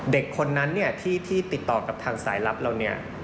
เด็กคนนั้นที่ติดต่อกับทางสายรับเรา